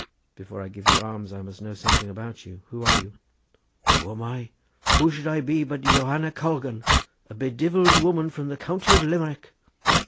"Before I give you alms I must know something about you. Who are you?" "Who am I? Who should I be but Johanna Colgan, a bedivilled woman from the county of Limerick?"